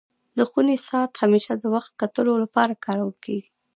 د خوني ساعت همېشه د وخت کتلو لپاره کارول کيږي.